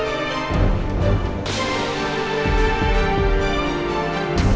baik kita akan berjalan